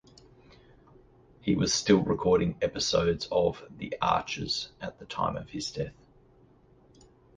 He was still recording episodes of "The Archers" at the time of his death.